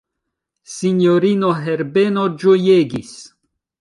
Sinjorino Herbeno ĝojegis.